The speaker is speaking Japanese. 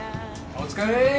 お疲れい。